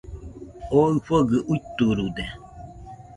Oo ɨfogɨ uiturude